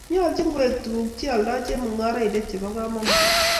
Nyoljin koek tuguk chealdoi chemung'araindet chebo komanut